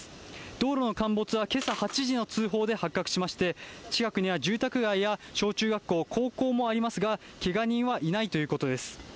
道路の陥没はけさ８時の通報で発覚しまして、近くには住宅街や小中学校、高校もありますが、けが人はいないということです。